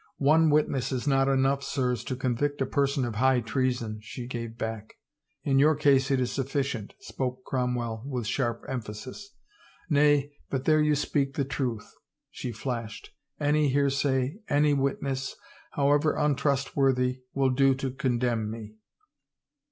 " One witness is not enough, sirs, to convict a person of high treason," she gave back. " In your case, it is sufficient," spoke Cromwell with sharp emphasis. Nay, but there you speak the truth !" she flashed. " Any hearsay, any witness, however untrustworthy, will do to condemn me